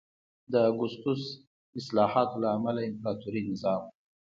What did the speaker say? د اګوستوس اصلاحاتو له امله امپراتوري نظام